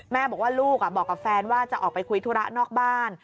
แม่บอกว่าลูกบอกกับแฟนว่าจะออกไปคุยธุระนอกบ้าน